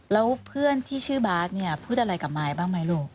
แล้วเพื่อนที่ชื่อบาสเนี่ยพูดอะไรกับมายบ้างไหมลูก